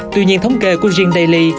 tuy nhiên thống kê của jean daly